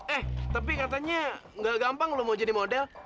eh tapi katanya nggak gampang lo mau jadi model